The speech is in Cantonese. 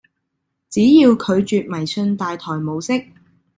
只要拒絕迷信大台模式